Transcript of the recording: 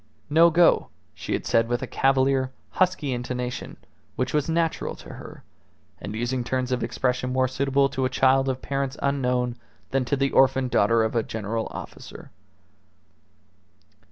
"No go," she had said with a cavalier, husky intonation which was natural to her, and using turns of expression more suitable to a child of parents unknown than to the orphaned daughter of a general officer.